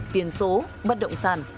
tiền số bất động sản